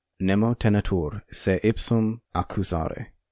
Nemo tenetur se ipsum accusare.